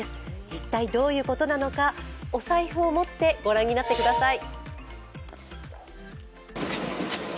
一体どういうことなのかお財布を持ってご覧になってください。